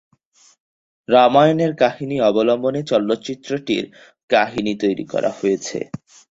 রামায়ণ এর কাহিনী অবলম্বনে চলচ্চিত্রটির কাহিনী তৈরি করা হয়েছে।